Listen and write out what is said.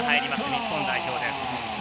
日本代表です。